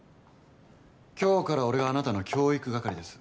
今日から俺があなたの教育係です。